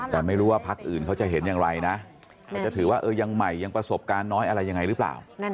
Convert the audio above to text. แต่ไม่รู้ว่าพักอื่นเขาจะเห็นอย่างไรนะมันจะถือว่ายังใหม่ยังประสบการณ์น้อยอะไรยังไงหรือเปล่า